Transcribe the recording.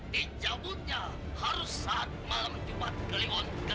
dijabutnya harus saat malam jumat keliun ke tiga belas